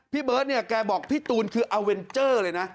เบิร์ตเนี่ยแกบอกพี่ตูนคืออาเวนเจอร์เลยนะ